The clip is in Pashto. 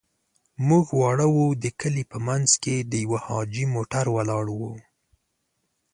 موږ واړه وو، د کلي په منځ کې د يوه حاجي موټر ولاړ و.